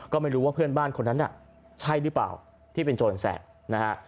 ก็ไม่รู้ว่าเพื่อนบ้านคนนั้นน่ะใช่หรือเปล่าที่เป็นโจรแสบนะฮะ